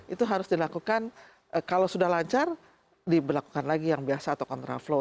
itu harus dilakukan kalau sudah lancar diberlakukan lagi yang biasa atau kontraflow